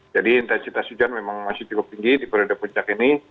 jadi intensitas hujan memang masih cukup tinggi di periode puncak ini